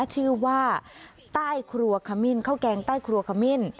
ชื่อว่าข้าวแกงใต้ครัวขมิ้น